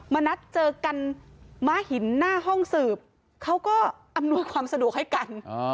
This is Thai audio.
มานัดเจอกันม้าหินหน้าห้องสืบเขาก็อำนวยความสะดวกให้กัน